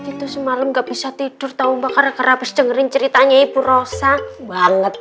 itu semalam nggak bisa tidur tahu bakar kerabes dengerin ceritanya ibu rosa banget